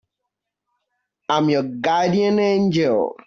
I'm your guardian angel.